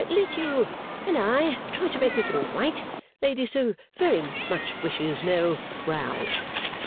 'Let you and I try to make this all right. Lady so very much wishes no Row.